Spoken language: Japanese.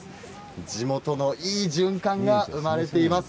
地元のいい循環が続いています。